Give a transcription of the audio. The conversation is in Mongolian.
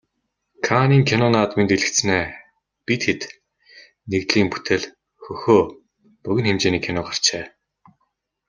Каннын кино наадмын дэлгэцнээ "Бид хэд" нэгдлийн бүтээл "Хөхөө" богино хэмжээний кино гарчээ.